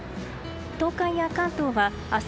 東海や関東は明日